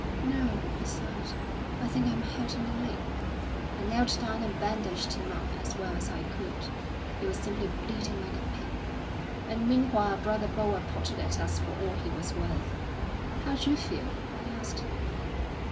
'No,' he said, 'I think I'm hurt in the leg.' I knelt down and bandaged him up as well as I could. He was simply bleeding like a pig; and meanwhile brother Boer potted at us for all he was worth. 'How d'you feel?' I asked.